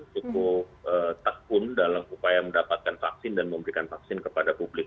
cukup tekun dalam upaya mendapatkan vaksin dan memberikan vaksin kepada publik